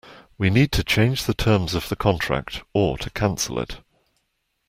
We need to change the terms of the contract, or to cancel it